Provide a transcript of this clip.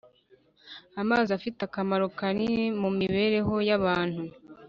Amazi afite akamaro kanini mu mibereho y’abantu